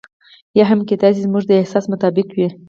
یا هم کېدای شي زموږ د احساس مطابق وي.